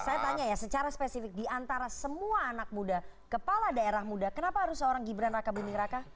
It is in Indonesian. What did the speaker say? saya tanya ya secara spesifik diantara semua anak muda kepala daerah muda kenapa harus seorang gibran raka buming raka